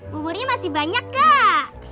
buburnya masih banyak gak